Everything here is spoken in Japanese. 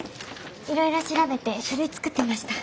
いろいろ調べて書類作ってました。